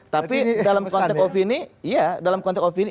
tapi dalam konteks opini